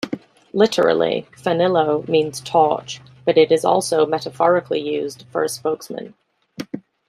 Literally, "Fanilo" means torch, but it is also metaphorically used for a spokesman.